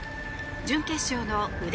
準決勝の腕